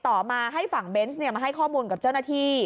ต่อมาให้ฝั่งเบนส์มาให้ข้อมูลกับเจ้าหน้าที่